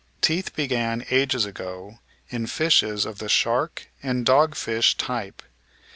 Teeth began ages ago in fishes of the shark and dog fish type.